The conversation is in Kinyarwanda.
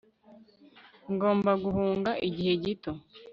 ngomba guhunga igihe gito